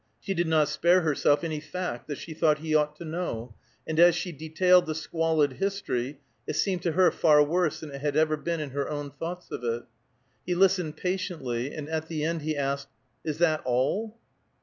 She did not spare herself any fact that she thought he ought to know, and as she detailed the squalid history, it seemed to her far worse than it had ever been in her own thoughts of it. He listened patiently, and at the end he asked, "Is that all?"